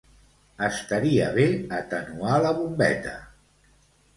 Estaria bé atenuar la bombeta.